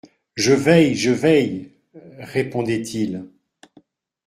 Je veille, je veille, répondait-il.